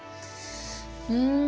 うん。